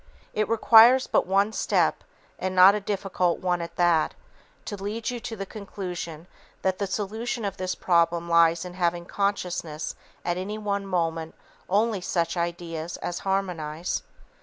It requires but one step, and not a difficult one at that, to lead you to the conclusion that the solution of this problem lies in having in consciousness at any one moment only such ideas as harmonize.